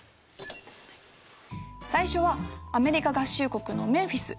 最初はアメリカ合衆国のメンフィス。